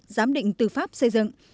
giám định tư pháp xây dựng